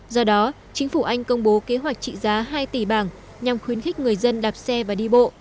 do đó chính phủ anh công bố kế hoạch trị giá hai tỷ bảng nhằm khuyến khích người dân đạp xe và đi bộ